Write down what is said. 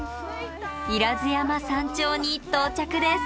不入山山頂に到着です。